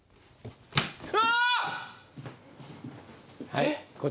えっ？